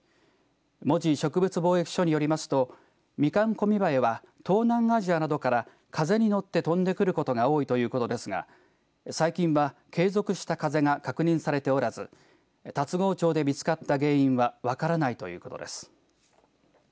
門司植物防疫所によりますとミカンコミバエは東南アジアなどから風に乗って飛んでくることが多いということですが最近は継続した風が確認されておらず龍郷町で見つかった原因は分からないということです。